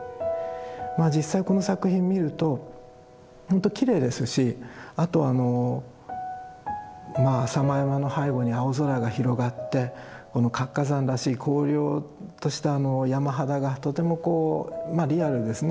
まあ実際この作品見ると本当きれいですしあと浅間山の背後に青空が広がってこの活火山らしい荒涼としたあの山肌がとてもこうリアルですね